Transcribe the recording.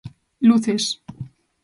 Luces.